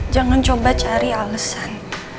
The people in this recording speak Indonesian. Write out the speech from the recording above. jangan coba cari alesan